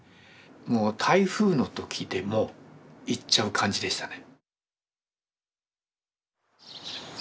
もう台風の時でも行っちゃう感じでしたね。